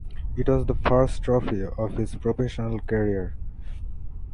It was the first trophy of his professional career.